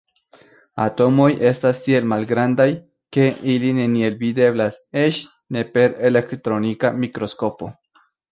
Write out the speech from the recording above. Atomoj estas tiel malgrandaj, ke ili neniel videblas, eĉ ne per elektronika mikroskopo.